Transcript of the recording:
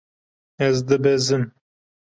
Ez dibezim.